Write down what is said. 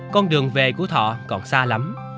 con đường về của thọ còn xa lắm